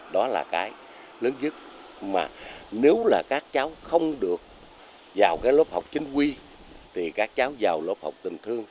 đó là cái lớn nhất mà nếu là các cháu không được vào cái lớp học chính quy thì các cháu vào lớp học tình thương